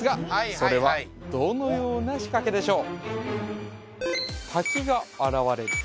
それはどのような仕掛けでしょう